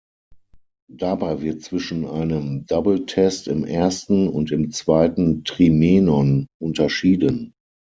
Dabei wird zwischen einem "Double-Test" im ersten und im zweiten Trimenon unterschieden.